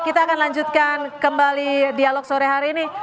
kita akan lanjutkan kembali dialog sore hari ini